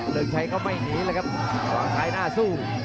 เริ่มชัยก็ไม่หนีเลยครับหลังซ้ายหน้าสู้